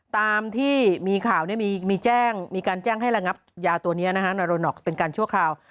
ตามที่มีข่าวมีการแจ้งให้ระงับยาตัวนี้นาโรน็อกเป็นการชั่วคราว